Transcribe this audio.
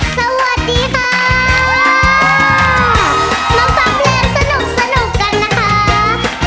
สวัสดีค่ะ